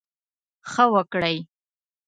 ښه وکړٸ.